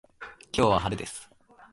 今日は晴れです。